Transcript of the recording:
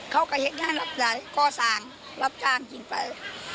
เขาก็เห็นย่างรับยายก็สั่งรับจ้างกินไป